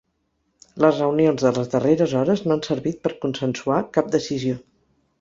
Les reunions de les darreres hores no han servit per consensuar cap decisió.